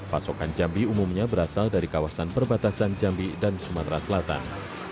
pasokan jambi umumnya berasal dari kawasan perbatasan jambi dan sumatera selatan